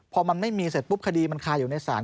พอมันไม่มีเสร็จปุ๊บคดีมันคาอยู่ในศาล